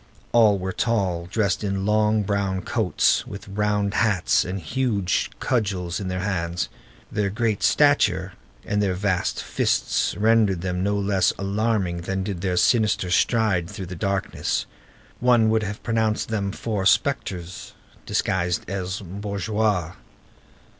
All were tall, dressed in long, brown coats, with round hats, and huge cudgels in their hands. Their great stature and their vast fists rendered them no less alarming than did their sinister stride through the darkness. One would have pronounced them four spectres disguised as bourgeois.